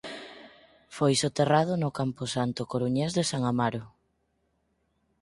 Foi soterrado no camposanto coruñés de San Amaro.